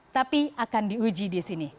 tapi akan diuji di sini